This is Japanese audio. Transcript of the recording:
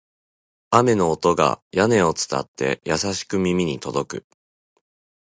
雨の音が屋根を伝って、優しく耳に届く